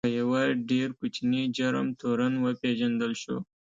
پر یوه ډېر کوچني جرم تورن وپېژندل شو.